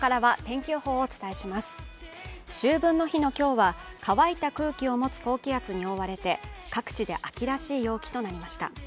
秋分の日の今日は乾いた空気を持つ高気圧に覆われ、各地で秋らしい陽気となりました。